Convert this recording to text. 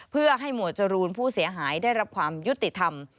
เพื่อให้หมวดจรูนผู้เสียหายได้รับความยุติธรรม